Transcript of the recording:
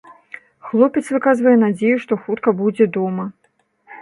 Хлопец выказвае надзею, што хутка будзе дома.